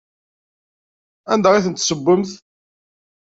Anda i ten-tessewwemt?